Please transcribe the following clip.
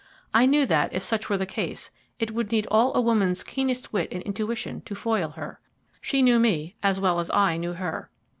I knew that, if such were the case, it would need all a woman's keenest wit and intuition to foil her. She knew me as well as I knew her.